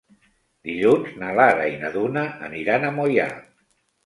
Dilluns na Lara i na Duna aniran a Moià.